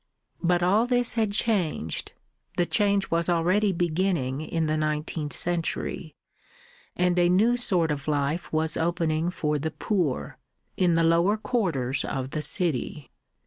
But all this had changed (the change was already beginning in the nineteenth century), and a new sort of life was opening for the poor in the lower quarters of the city.